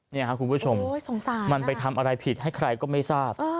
นี่ครับคุณผู้ชมมันไปทำอะไรผิดให้ใครก็ไม่ทราบ